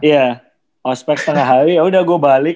iya ospec setengah hari udah gue balik